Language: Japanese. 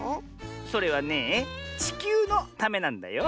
それはねえちきゅうのためなんだよ。